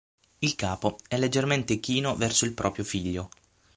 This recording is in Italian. Il capo è leggermente chino verso il proprio Figlio.